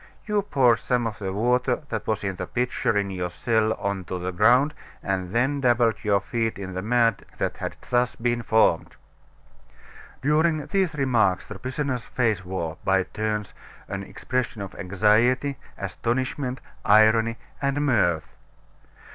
You poured some of the water that was in the pitcher in your cell on to the ground and then dabbled your feet in the mud that had thus been formed." During these remarks the prisoner's face wore, by turns, an expression of anxiety, astonishment, irony, and mirth.